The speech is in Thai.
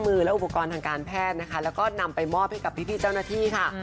มือและอุปกรณ์ทางการแพทย์นะคะแล้วก็นำไปมอบให้กับพี่เจ้าหน้าที่ค่ะ